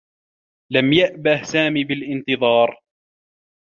لم يأبه سامي بالانتظار.